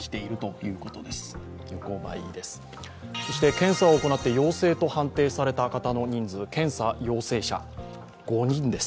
検査を行って陽性と判定された人の人数、検査陽性者５人です。